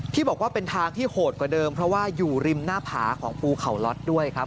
ที่บอกว่าเป็นทางที่โหดกว่าเดิมเพราะว่าอยู่ริมหน้าผาของภูเขาล็อตด้วยครับ